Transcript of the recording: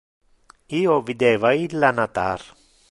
Io videva illa natar.